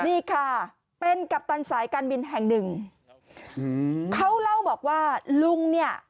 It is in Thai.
นี่ค่ะเป็นกัปตันสายการบินแห่งหนึ่งอืมเขาเล่าบอกว่าลุงเนี่ย